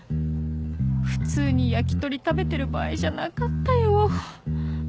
普通に焼き鳥食べてる場合じゃなかったよ